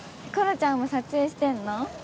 ちゃんも撮影してんの？